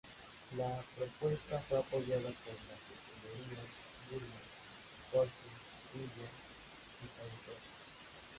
La propuesta fue apoyada por las escuderías Williams, Force India y Sauber.